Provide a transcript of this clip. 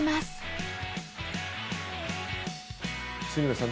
杉野さん